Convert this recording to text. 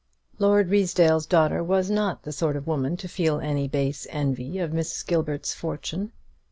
Lord Ruysdale's daughter was not the sort of woman to feel any base envy of Mrs. Gilbert's fortune.